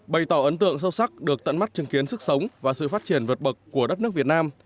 bày tỏ ấn tượng sâu sắc được tận mắt chứng kiến sức sống và sự phát triển vượt bậc của đất nước việt nam